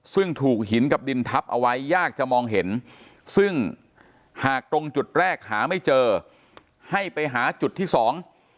ซึ่งถูกหินกับดินทับเอาไว้ยากจะมองเห็นซึ่งหากตรงจุดแรกหาไม่เจอให้ไปหาจุดที่สอง